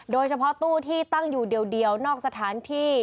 โดยเฉพาะตู้ที่ตั้งอยู่เดียวนอกสถานที่